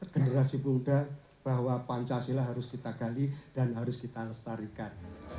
generasi muda bahwa pancasila harus kita gali dan harus kita lestarikan